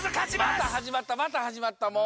またはじまったまたはじまったもう。